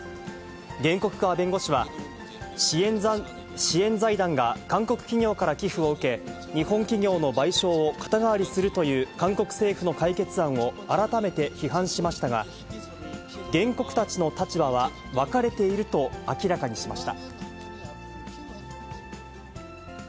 原告側弁護士は、支援財団が韓国企業から寄付を受け、日本企業の賠償を肩代わりするという韓国政府の解決案を改めて批判しましたが、原告たちの立場は分かれていると明らかにしました。